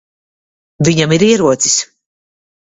Viņam ir ierocis.